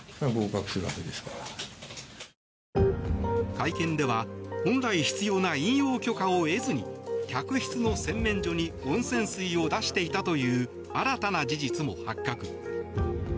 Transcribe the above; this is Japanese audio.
会見では本来必要な飲用許可を得ずに客室の洗面所に温泉水を出していたという新たな事実も発覚。